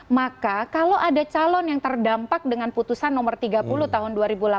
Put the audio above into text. maka kalau ada calon yang terdampak dengan putusan nomor tiga puluh tahun dua ribu delapan belas